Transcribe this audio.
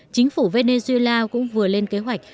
chính phủ venezuela cũng vừa lên kế hoạch